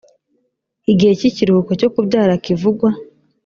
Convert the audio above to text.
igihe cy ikiruhuko cyo kubyara kivugwa